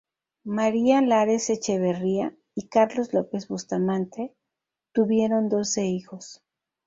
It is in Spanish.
María Emilia Lares Echeverría y Carlos López Bustamante tuvieron doce hijos.